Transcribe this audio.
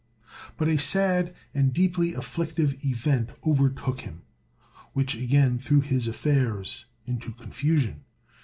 But a sad and deeply afflictive event overtook him, which again threw his affairs into confusion.